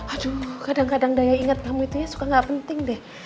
aduh kadang kadang daya inget kamu itu ya suka nggak penting deh